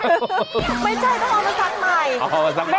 ไม่ใช่ต้องเอามาทำใหม่